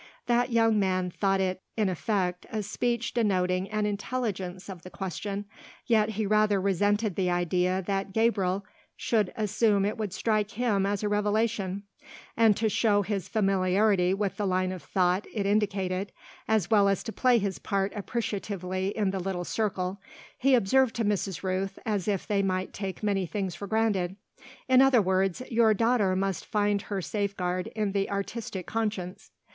That young man thought it in effect a speech denoting an intelligence of the question, yet he rather resented the idea that Gabriel should assume it would strike him as a revelation; and to show his familiarity with the line of thought it indicated, as well as to play his part appreciatively in the little circle, he observed to Mrs. Rooth, as if they might take many things for granted: "In other words, your daughter must find her safeguard in the artistic conscience."